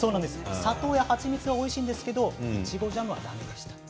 砂糖や蜂蜜はおいしいんですけどいちごジャムはダメでした。